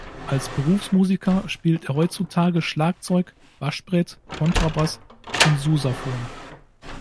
Als Berufsmusiker spielt er heutzutage Schlagzeug, Waschbrett, Kontrabass und Sousaphon.